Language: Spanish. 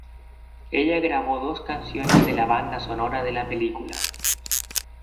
Ella grabó dos canciones de la banda sonora de la película.